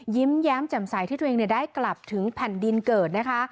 แย้มแจ่มใสที่ตัวเองได้กลับถึงแผ่นดินเกิดนะคะ